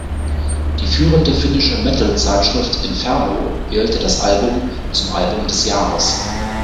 Die führende finnische Metal-Zeitschrift Inferno wählte das Album zum „Album des Jahres“.